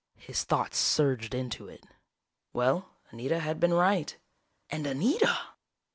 His thoughts surged into it. Well, Anita had been right. And Anita!